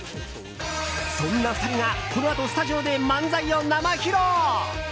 そんな２人が、このあとスタジオで漫才を生披露。